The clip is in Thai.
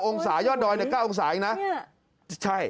๙องศายอดดอยแต่๙องศาอีกนะใช่